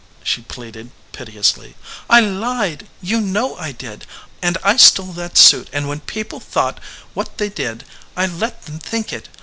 she pleaded, piteously. "I lied ; you know I did. And I stole that suit, and when people thought what they did I let them think it.